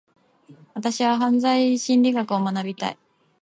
私は犯罪心理学を学びたい。